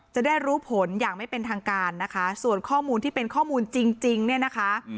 จะได้รู้ผลอย่างไม่เป็นทางการนะคะส่วนข้อมูลที่เป็นข้อมูลจริงเนี่ยนะคะ